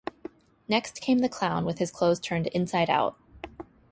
Next came the clown with his clothes turned inside out.